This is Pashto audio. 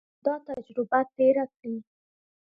دا تجربه تېره کړي.